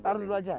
taruh dulu aja